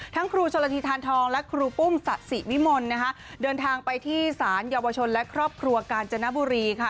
ครูชนละทีทานทองและครูปุ้มสะสิวิมลนะคะเดินทางไปที่ศาลเยาวชนและครอบครัวกาญจนบุรีค่ะ